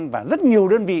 và rất nhiều đơn vị